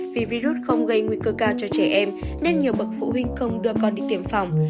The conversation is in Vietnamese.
vì virus không gây nguy cơ cao cho trẻ em nên nhiều bậc phụ huynh không đưa con đi tiêm phòng